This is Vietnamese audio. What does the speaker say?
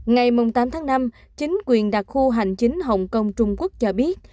ngày tám tháng năm chính quyền đặc khu hành chính hồng kông trung quốc cho biết